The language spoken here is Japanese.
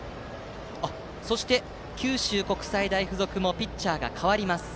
そして、九州国際大付属もピッチャーが代わります。